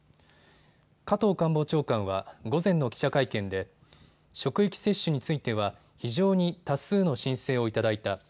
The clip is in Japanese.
加藤官房長官は午前の記者会見で職域接種については非常に多数の申請をいただいた。